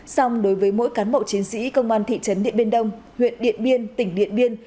xong đối với mỗi cán bộ chiến sĩ công an thị trấn điện biên đông huyện điện biên tỉnh điện biên